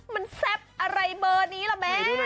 มันแซ่บอะไรเบอร์นี้ล่ะแม่